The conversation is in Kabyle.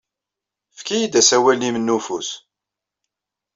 Efk-iyi-d asawal-nnem n ufus.